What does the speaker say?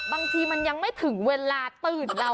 บางทีมันยังไม่ถึงเวลาตื่นเรา